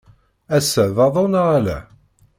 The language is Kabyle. Ass-a d aḍu neɣ ala?